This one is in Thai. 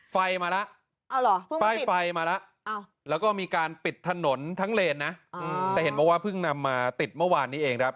ไฟมาแล้วป้ายไฟมาแล้วแล้วก็มีการปิดถนนทั้งเลนนะแต่เห็นบอกว่าเพิ่งนำมาติดเมื่อวานนี้เองครับ